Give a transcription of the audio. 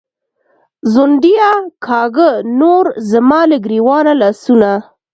“ځونډیه”کاږه نور زما له ګرېوانه لاسونه